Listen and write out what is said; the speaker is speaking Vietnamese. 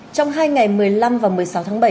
trong hai ngày một mươi năm và một mươi sáu tháng bảy